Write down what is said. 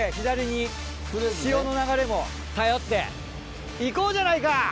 潮の流れも頼っていこうじゃないか！